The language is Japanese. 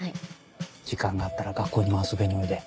時間があったら学校にも遊びにおいで。